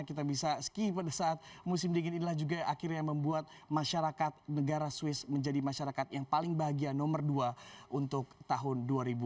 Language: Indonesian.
kita bisa skip pada saat musim dingin inilah juga akhirnya membuat masyarakat negara swiss menjadi masyarakat yang paling bahagia nomor dua untuk tahun dua ribu dua puluh